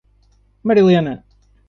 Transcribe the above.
Marilena